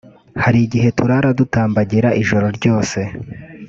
hari igihe turara dutambagira ijoro ryose